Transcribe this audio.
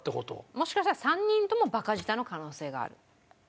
もしかしたら３人ともバカ舌の可能性がある。